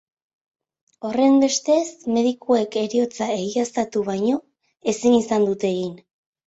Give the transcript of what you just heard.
Horrenbestez, medikuek heriotza egiaztatu baino ezin izan dute egin.